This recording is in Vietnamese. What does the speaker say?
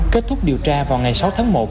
kết thúc điều tra vào ngày sáu tháng một